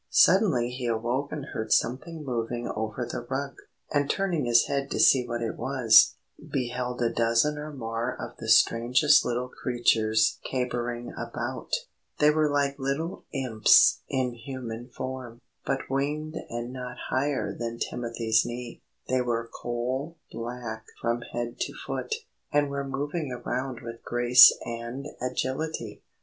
Suddenly he awoke and heard something moving over the rug, and turning his head to see what it was, beheld a dozen or more of the strangest little creatures capering about. They were like little Imps in human form, but winged and not higher than Timothy's knee. They were coal black from head to foot, and were moving around with grace and agility.